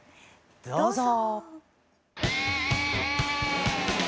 どうぞ。